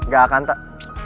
gak akan tak